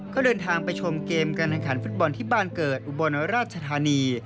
ก็เดินทางไปชมเกมการแข่งขันฟุตบอลที่บ้านเกิดอุบลราชธานี